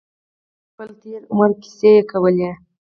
د خپل تېر عمر کیسې یې کولې.